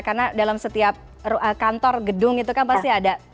karena dalam setiap kantor gedung itu kan pasti ada